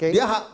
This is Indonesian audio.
dia gak hanya